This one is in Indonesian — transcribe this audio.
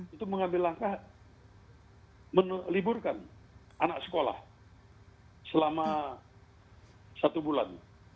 itu mengambil langkah meliburkan anak sekolah selama satu bulan